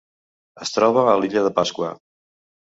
Es troba a l'illa de Pasqua.